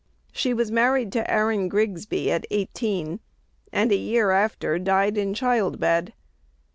She was married to Aaron Grigsby at eighteen, and a year after died in child bed.